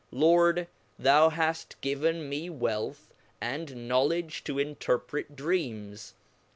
Lord, thou haft given me wealth, andknowledg to interpret dreams.